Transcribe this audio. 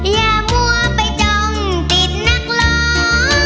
อย่ามัวไปจ้องติดนักร้อง